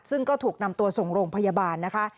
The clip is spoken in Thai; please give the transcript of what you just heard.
ซึ่งก็ถูกนำตัวส่งโรงพยาบาลนะคะ